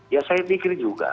ya saya pikir juga